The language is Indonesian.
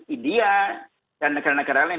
india dan negara negara lain